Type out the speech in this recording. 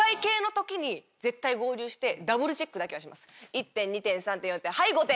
１点２点３点４点はい５点。